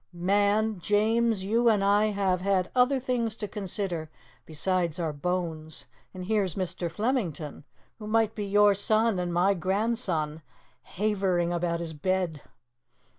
"Man, James, you and I have had other things to consider besides our bones! And here's Mr. Flemington, who might be your son and my grandson, havering about his bed!"